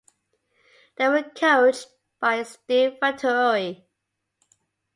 They were coached by Steve Fattori.